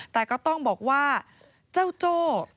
แต่ก็ต้องบอกว่าเจ้าโจ้